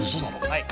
はい！